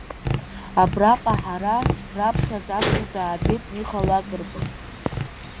Абраҟа ҳара, раԥхьаӡа акәны даабеит Миха Лакрба.